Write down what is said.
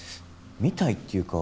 「みたい」っていうか